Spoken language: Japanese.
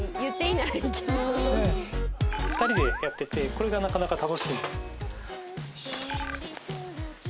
２人でやっててこれがなかなか楽しいんですよ。